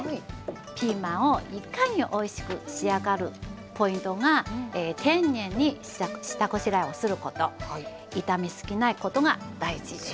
ピーマンをいかにおいしく仕上がるポイントが丁寧に下ごしらえをすること炒め過ぎないことが大事です。